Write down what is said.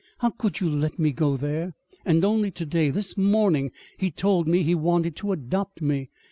"How could you let me go there? And only to day this morning, he told me he wanted to adopt me!